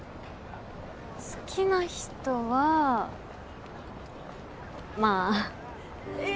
好きな人はまあえ！